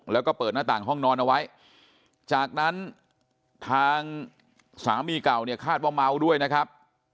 แล้วก็เปิดหน้าต่างห้องนอนเอาไว้จากนั้นทางสามีเก่าเนี่ยคาดว่าเมาด้วยนะครับ